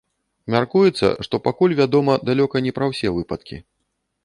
Мяркуецца, што пакуль вядома далёка не пра ўсе выпадкі.